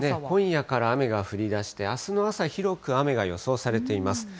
今夜から雨が降りだして、あすの朝、広く雨が予想されています。